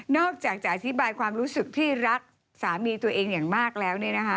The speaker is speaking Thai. อกจากจะอธิบายความรู้สึกที่รักสามีตัวเองอย่างมากแล้ว